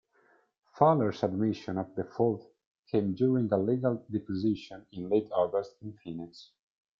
Fowler's admission of default came during a legal deposition in late August in Phoenix.